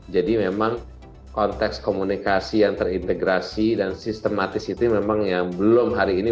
jadi memang konteks komunikasi yang terintegrasi dan sistematis itu memang yang belum hari ini